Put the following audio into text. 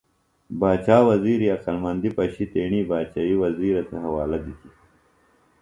باچا وزِیری عقلمندیۡ پشیۡ تیݨی باچئیۡ وزِیرہ تھےۡ حوالہ دِتیۡ